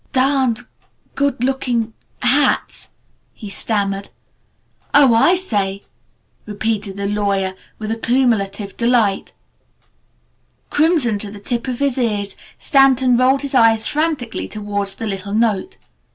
"Darned good looking hats," he stammered. "Oh, I say!" repeated the lawyer with accumulative delight. Crimson to the tip of his ears, Stanton rolled his eyes frantically towards the little note.